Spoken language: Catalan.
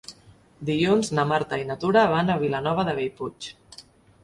Dilluns na Marta i na Tura van a Vilanova de Bellpuig.